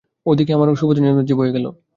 ও দিকে আমার এমন শুভদিন যে বয়ে গেল।